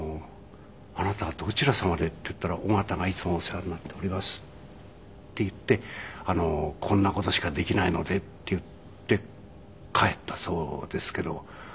「あなたどちら様で？」って言ったら「緒形がいつもお世話になっております」って言って「こんな事しかできないので」って言って帰ったそうですけど。